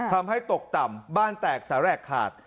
ทำให้ตกต่ำบ้านแตกสระแรกขาด